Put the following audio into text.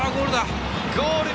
ゴールだ！